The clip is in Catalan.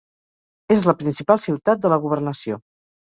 És la principal ciutat de la governació.